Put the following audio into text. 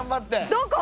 どこ？